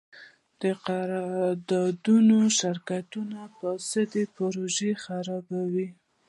د قراردادي شرکتونو فساد پروژه خرابوي.